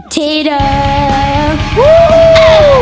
ที่เดิม